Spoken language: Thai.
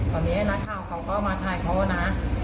ตอนนี้นักข่าวเขาก็มาถ่ายเขานะ